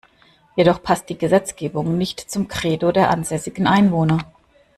Jedoch passt die Gesetzgebung nicht zum Credo der ansässigen Einwohner.